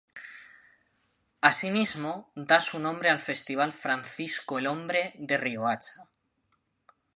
Asimismo, da su nombre al Festival Francisco El Hombre de Riohacha.